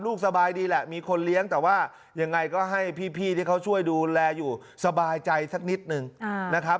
สบายดีแหละมีคนเลี้ยงแต่ว่ายังไงก็ให้พี่ที่เขาช่วยดูแลอยู่สบายใจสักนิดนึงนะครับ